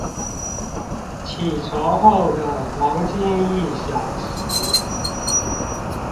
起床後的黃金一小時